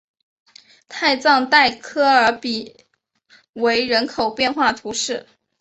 泰藏代科尔比埃人口变化图示